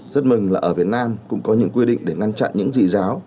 rất mừng là ở việt nam cũng có những quy định để ngăn chặn những gì giáo